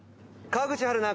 川口春奈